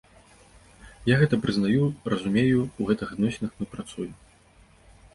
Я гэта прызнаю, разумею, у гэтых адносінах мы працуем.